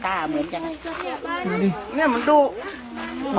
มรึงวอแล้วมึงวอกว่ามันสีหย่อมพูเลยเห็นมั้ย